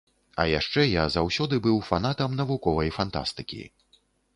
А яшчэ я заўсёды быў фанатам навуковай фантастыкі.